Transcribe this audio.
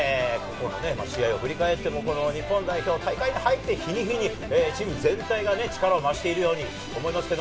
試合を振り返っても、日本代表は大会に入って日に日にチーム全体が力を増しているように思います。